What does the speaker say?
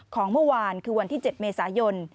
ของเมื่อวานคือวันที่๗เมษายน